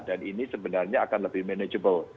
dan ini sebenarnya akan lebih manageable